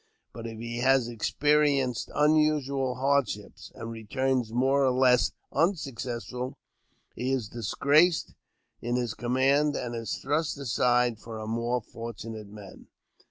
But if he has experienced unusual hardships, and returns more or less unsuccessful, he is disgraced in his command, and is thrust aside for a more fortunate man.